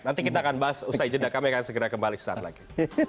nanti kita akan bahas usai jeda kami akan segera kembali sesaat lagi